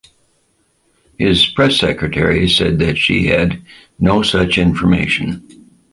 His press secretary said that she had "no such information".